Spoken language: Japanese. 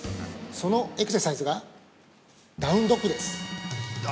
そのエクササイズがダウンドッグです。